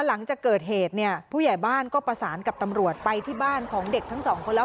หลังจากเกิดเหตุเนี่ยผู้ใหญ่บ้านก็ประสานกับตำรวจไปที่บ้านของเด็กทั้งสองคนแล้ว